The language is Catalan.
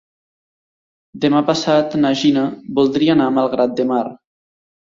Demà passat na Gina voldria anar a Malgrat de Mar.